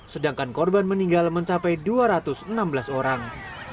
sedangkan korban meninggal mencapai dua ratus enam belas orang